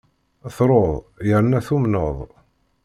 Truḍ yerna tumneḍ.